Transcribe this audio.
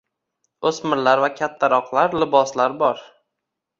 O‘smirlar va kattaroqlar liboslar bor.